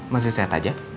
masih sehat aja